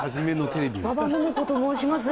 馬場ももこと申します。